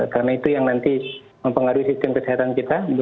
karena itu yang nanti mempengaruhi sistem kesehatan kita